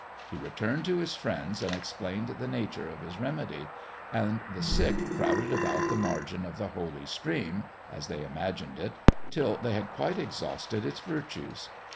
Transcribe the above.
He returned to his friends, and explained the nature of his remedy; and the sick crowded about the margin of the holy stream (as they imagined it) till they had quite exhausted its virtues.